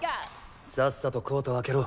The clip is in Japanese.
さっさとコートを空けろ。